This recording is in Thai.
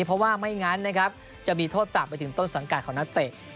เพราะว่าไม่งั้นนะครับจะมีโทษปรับไปถึงต้นสังกัดของนักเตะ